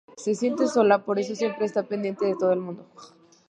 Se siente sola, por eso siempre está pendiente de todo el mundo.